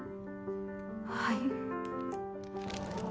はい。